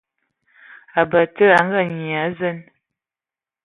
Batsidi a Ngaanyian a zen.